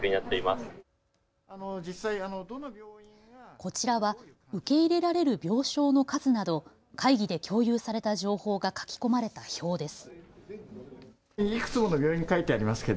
こちらは受け入れられる病床の数など会議で共有された情報が書き込まれた表です。